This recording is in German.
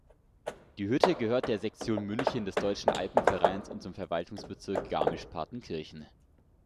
Die Hütte gehört der Sektion München des Deutschen Alpenvereins und zum Verwaltungsbezirk Garmisch-Partenkirchen.